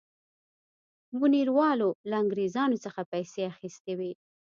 بونیروالو له انګرېزانو څخه پیسې اخیستې وې.